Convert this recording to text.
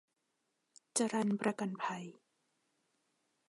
จรัญประกันภัย